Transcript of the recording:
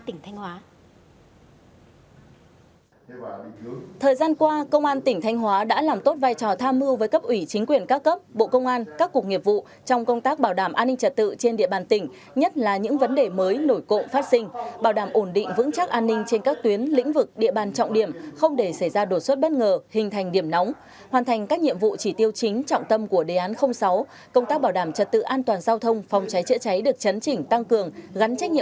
tỉnh thanh hóa đã làm tốt vai trò tham mưu với cấp ủy chính quyền ca cấp bộ công an các cuộc nghiệp vụ trong công tác bảo đảm an ninh trật tự trên địa bàn tỉnh nhất là những vấn đề mới nổi cộ phát sinh bảo đảm ổn định vững chắc an ninh trên các tuyến lĩnh vực địa bàn trọng điểm không để xảy ra đột xuất bất ngờ hình thành điểm nóng hoàn thành các nhiệm vụ chỉ tiêu chính trọng tâm của đề án sáu công tác bảo đảm trật tự an toàn giao thông phòng cháy chữa cháy được chấn chỉnh tăng cường gắn trách nhiệ